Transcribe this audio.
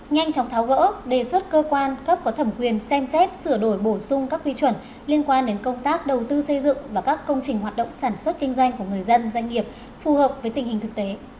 nhanh chóng tháo gỡ đề xuất cơ quan cấp có thẩm quyền xem xét sửa đổi bổ sung các quy chuẩn liên quan đến công tác đầu tư xây dựng và các công trình hoạt động sản xuất kinh doanh của người dân doanh nghiệp phù hợp với tình hình thực tế